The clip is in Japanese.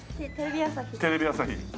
テレビ朝日です。